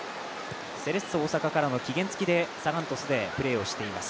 セレッソ大阪からの期限付きでサガン鳥栖でプレーをしています。